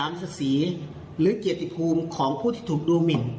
เป็นการทำให้เหยียดหยามศรีหรือเกียรติภูมิของผู้ที่ถูกดูมิน